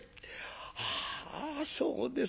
「ああそうですか。